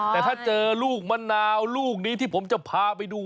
แต่ถ้าเจอลูกมะนาวลูกนี้ที่ผมจะพาไปดู